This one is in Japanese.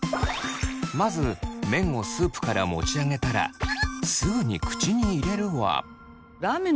まず麺をスープから持ち上げたらすぐに口に入れるは。